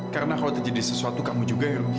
karena kalau terjadi sesuatu kamu juga yang rugi